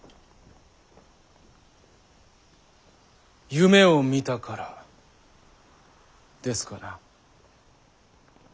夢を見たからですかな。